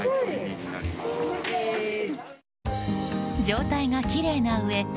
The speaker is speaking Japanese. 状態がきれいなうえ